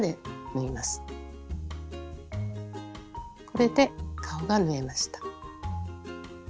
これで顔が縫えました。